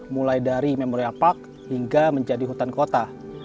mulai dari memoria park hingga menjadi hutan kota